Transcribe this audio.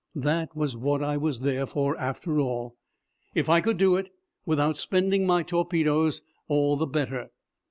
That was what I was there for, after all. If I could do it without spending my torpedoes, all the better.